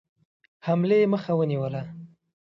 حملې مخه ونیوله.